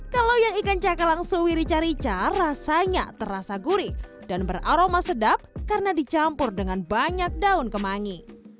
kalau yang ikan cakalangsuwi rica rica rasanya terasa gurih dan beraroma sedap karena dicampur dengan banyak daun kemangi